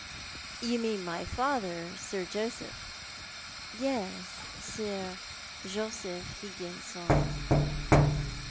" Yon mean my father. Sir Joseph." " Yes, Sir Joseph Higginson."